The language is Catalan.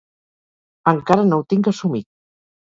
Encara no ho tinc assumit.